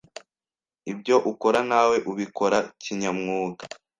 ibyo ukora nawe ubikora kinyamwuga.